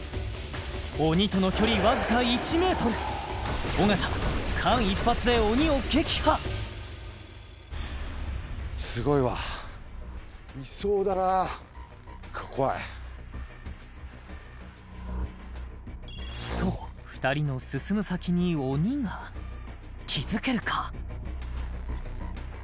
鬼との距離わずか１ｍ尾形間一髪で鬼を撃破スゴいわいそうだな怖いと２人の進む先に鬼が気づけるか？